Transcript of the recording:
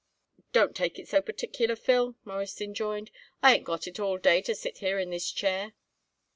"Don't take it so particular, Phil," Morris enjoined. "I ain't got it all day to sit here in this chair."